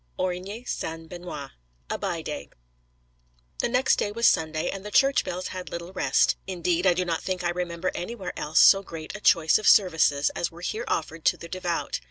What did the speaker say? ORIGNY SAINTE BENOÎTE A BY DAY THE next day was Sunday, and the church bells had little rest; indeed, I do not think I remember anywhere else so great a choice of services as were here offered to the devout.